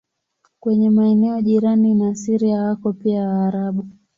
Kwenye maeneo jirani na Syria wako pia Waarabu.